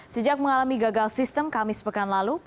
sejak mengalami gagal sistem kamis pekan lalu